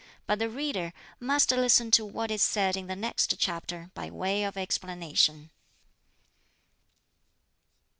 But the reader must listen to what is said in the next chapter by way of explanation.